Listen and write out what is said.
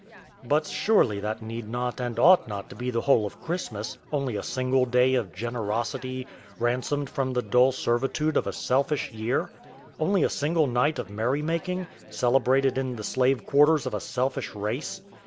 But surely that need not and ought not to be the whole of Christmas only a single day of generosity, ransomed from the dull servitude of a selfish year, only a single night of merry making, celebrated in the slave quarters of a selfish race!